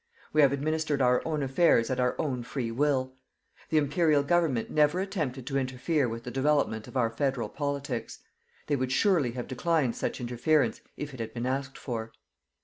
We have administered our own affairs at our own free will. The Imperial Government never attempted to interfere with the development of our federal politics. They would surely have declined such interference, if it had been asked for.